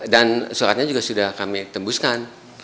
dan suratnya juga sudah kami tembuskan